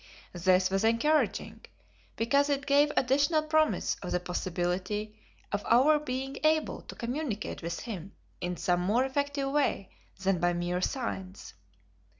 This was encouraging, because it gave additional promise of the possibility of our being able to communicate with him in some more effective way than by mere signs.